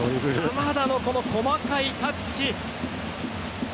鎌田の細かいタッチ。